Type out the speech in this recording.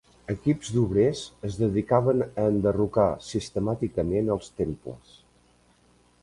Equips d'obrers es dedicaven a enderrocar sistemàticament els temples.